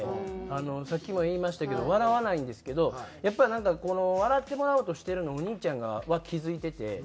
さっきも言いましたけど笑わないんですけどやっぱりなんかこの笑ってもらおうとしてるのお兄ちゃんは気付いてて。